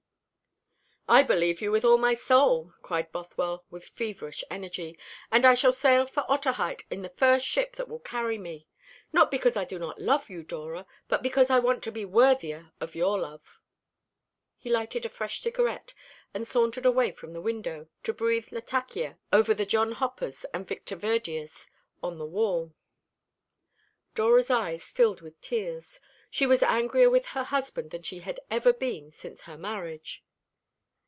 "I believe you with all my soul," cried Bothwell, with feverish energy, "and I shall sail for Otaheite in the first ship that will carry me. Not because I do not love you, Dora, but because I want to be worthier of your love." He lighted a fresh cigarette, and sauntered away from the window, to breathe latakia over the John Hoppers and Victor Verdiers on the wall. Dora's eyes filled with tears. She was angrier with her husband than she had ever been since her marriage.